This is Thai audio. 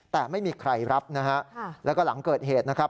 แต่ไม่มีใครรับนะฮะแล้วก็หลังเกิดเหตุนะครับ